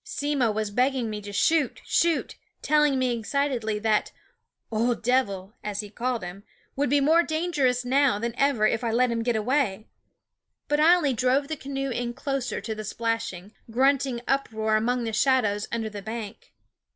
Simmo was begging me to shoot, shoot, telling me excitedly that "OF Devi," as he ^fffite Sound of called him, would be more dangerous now than ever, if I let him get away ; but I only drove the canoe in closer to the splashing, grunting uproar among the shadows under the bank.